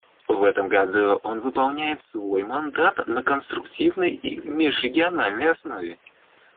В этом году он выполняет свой мандат на конструктивной и межрегиональной основе.